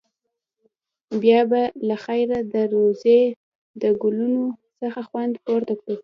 بیا به له خیره د روضې د ګلونو څخه خوند پورته کړې.